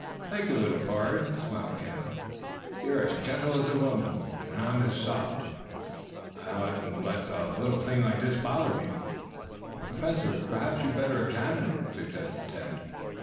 "Thank you, little pard," smiled Cale. "You're as gentle as a woman and I'm as soft. I oughtn't to let a little thing like this bother me." "Professor, perhaps you had better examine it," suggested Tad.